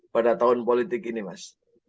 pada tahun politik ini mas